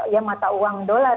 ya mata uang dolar